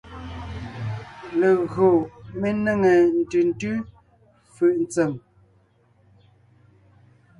Legÿo mé nêŋe ntʉ̀ntʉ́ fʉʼ ntsèm.